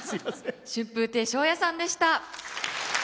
春風亭昇也さんでした。